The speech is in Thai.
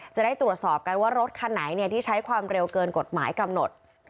จะได้ตรวจสอบกันว่ารถคันไหนที่ใช้ความเร็วเกินกฎหมายกำหนด